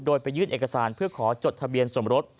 โดยไปยื่นเอกสารเพื่อขอจดทะเบียนสมรส